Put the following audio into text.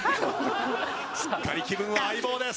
すっかり気分は『相棒』です。